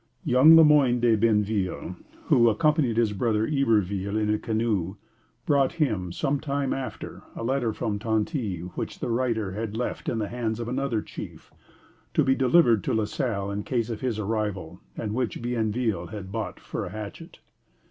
Young Le Moyne de Bienville, who accompanied his brother Iberville in a canoe, brought him, some time after, a letter from Tonty which the writer had left in the hands of another chief, to be delivered to La Salle in case of his arrival, and which Bienville had bought for a hatchet.